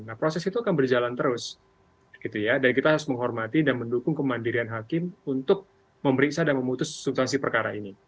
nah proses itu akan berjalan terus gitu ya dan kita harus menghormati dan mendukung kemandirian hakim untuk memeriksa dan memutus substansi perkara ini